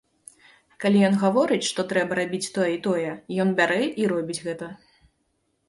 Калі ён гаворыць, што трэба рабіць тое і тое, ён бярэ і робіць гэта.